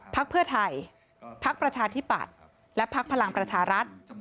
ภาคเพื่อไทยภาคปัชาธิปัตรและพลังประชารัฐ